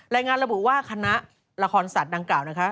รายงานระบุว่าคณะละครสัตว์ดังกล่าวนะคะ